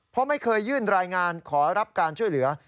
เพราะไม่เคยยื่นรายงานขอรับการช่วยเหลือ